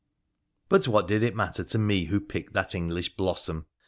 But what did it matter to me who picked that English blossom